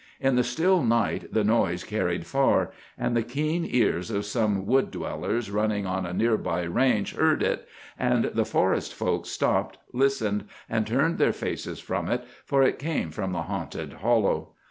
In the still night the noise carried far, and the keen ears of some wood dwellers running on a near by range heard it, and the forest folk stopped, listened, and turned their faces from it, for it came from the haunted hollow.